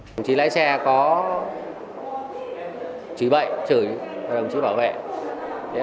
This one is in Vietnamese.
đồng chí lái xe có trí bệnh chửi đồng chí bảo vệ